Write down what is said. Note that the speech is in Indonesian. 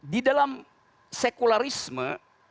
di dalam sekularisme